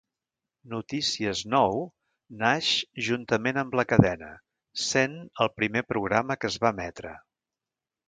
Notícies Nou naix juntament amb la cadena, sent el primer programa que es va emetre.